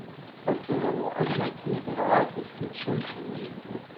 Ad teḍru am wakken i teḍra akked temcumt-nni